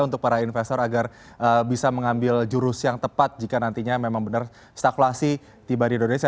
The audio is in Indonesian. untuk para investor agar bisa mengambil jurus yang tepat jika nantinya memang benar stakulasi tiba di indonesia